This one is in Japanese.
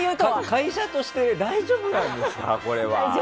会社として大丈夫なんですか、これは。